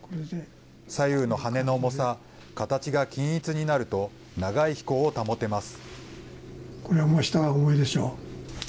左右の羽根の重さ、形が均一になると、長い飛行を保てます。